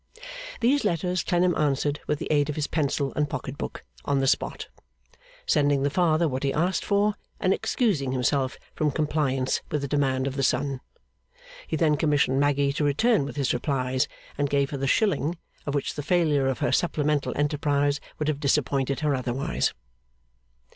These letters Clennam answered with the aid of his pencil and pocket book, on the spot; sending the father what he asked for, and excusing himself from compliance with the demand of the son. He then commissioned Maggy to return with his replies, and gave her the shilling of which the failure of her supplemental enterprise would have disappointed her otherwise.